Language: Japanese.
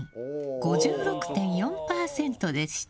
５６．４％でした。